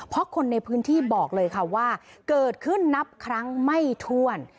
เพราะคนในพื้นที่บอกเลยค่ะว่าเกิดขึ้นนับครั้งไม่ถ้วน